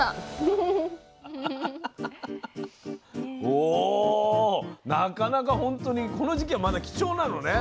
おなかなかほんとにこの時期はまだ貴重なのね。